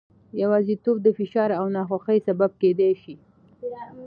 یوازیتوب د فشار او ناخوښۍ سبب کېدای شي.